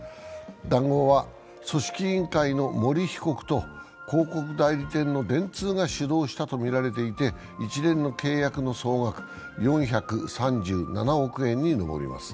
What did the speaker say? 談合は組織委員会の森被告と広告代理店の電通が主導したとみられていて、一連の契約の総額４３７億円に上ります。